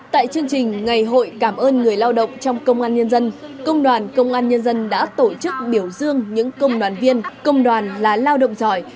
tại chương trình ngày hội cảm ơn người lao động trong công an nhân dân công đoàn công an nhân dân đã tổ chức biểu dương những công đoàn viên công đoàn là lao động giỏi